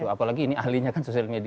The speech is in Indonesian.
apalagi ini ahlinya kan sosial media